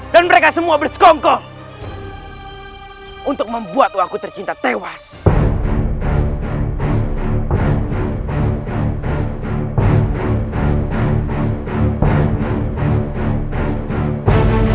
dan mereka semua bersekongkong untuk membuat waku tercinta tewas